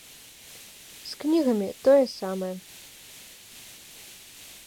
З кнігамі тое самае.